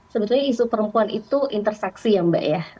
sebetulnya isu perempuan itu intersaksi ya mbak ya